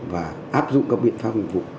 và áp dụng các biện pháp